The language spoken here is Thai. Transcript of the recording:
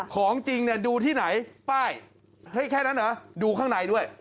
ของจริงเนี่ยดูที่ไหนป้ายแค่นั้นเหรอดูข้างในด้วย